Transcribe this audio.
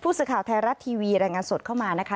สื่อข่าวไทยรัฐทีวีรายงานสดเข้ามานะคะ